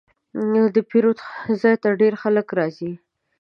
د پیرود ځای ته ډېر خلک راځي.